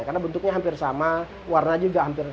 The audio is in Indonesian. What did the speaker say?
karena bentuknya hampir sama warna juga hampir sama